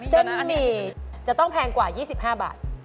เส้นอะหมี่จะต้องแพงกว่า๒๕บาท